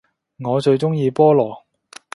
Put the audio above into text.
我最鍾意菠蘿